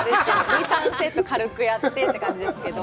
２３セット軽くやってって感じですけど。